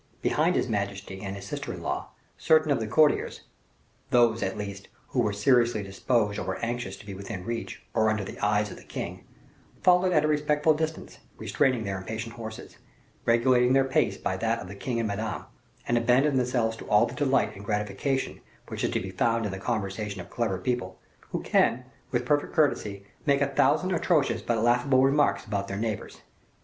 Behind his majesty and his sister in law, certain of the courtiers those, at least, who were seriously disposed or were anxious to be within reach, or under the eyes, of the king followed at a respectful distance, restraining their impatient horses, regulating their pace by that of the king and Madame, and abandoned themselves to all the delight and gratification which is to be found in the conversation of clever people, who can, with perfect courtesy, make a thousand atrocious, but laughable remarks about their neighbors.